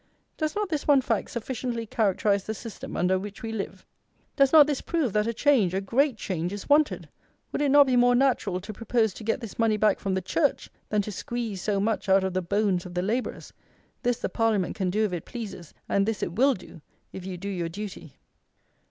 Does not this one fact sufficiently characterize the system under which we live? Does not this prove that a change, a great change, is wanted? Would it not be more natural to propose to get this money back from the Church, than to squeeze so much out of the bones of the labourers? This the Parliament can do if it pleases; and this it will do, if you do your duty.